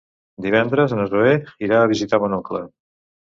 Divendres na Zoè irà a visitar mon oncle.